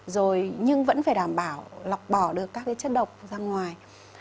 rồi nhưng vẫn phải đảm bảo lọc bỏ được các cái chất độc ra ngoài